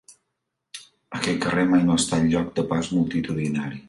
Aquest carrer mai no ha estat lloc de pas multitudinari.